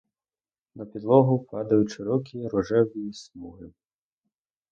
На підлогу падають широкі рожеві смуги.